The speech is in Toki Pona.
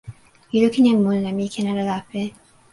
mi lukin e mun la mi ken ala lape.